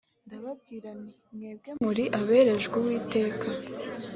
ndababwira nti mwebwe muri aberejwe uwiteka